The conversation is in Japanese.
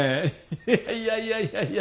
いやいやいやいやいや。